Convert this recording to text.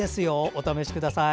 お試しください。